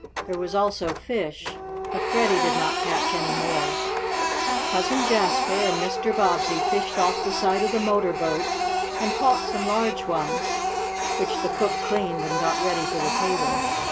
There was also fish, but Freddie did not catch any more. Cousin Jasper and Mr. Bobbsey fished off the side of the motor boat and caught some large ones, which the cook cleaned and got ready for the table.